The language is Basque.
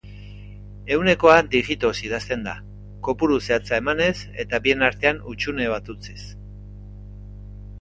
Ehunekoa digitoz idazten da, kopuru zehatza emanez eta bien artean hutsune bat utziz.